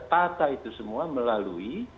tata itu semua melalui